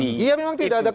iya memang tidak ada satu